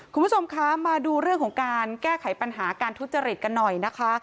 คุณผู้ชมคะมาดูเรื่องของการแก้ไขปัญหาการทุจริตกันหน่อยนะคะ